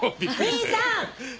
兄さん！